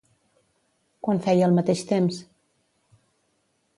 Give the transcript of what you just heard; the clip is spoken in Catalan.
Quan feia el mateix temps?